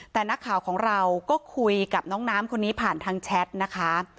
แต่นักข่าวของเราก็คุยกับน้องน้ำคนนี้ผ่านทางแชทนะคะ